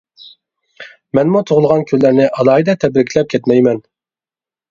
مەنمۇ تۇغۇلغان كۈنلەرنى ئالاھىدە تەبرىكلەپ كەتمەيمەن.